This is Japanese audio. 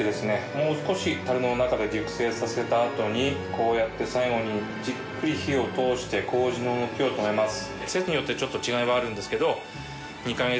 もう少したるの中で熟成させたあとにこうやって最後にじっくり火を通して麹の動きを止めます。